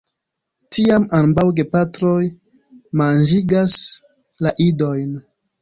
Tiam ambaŭ gepatroj manĝigas la idojn.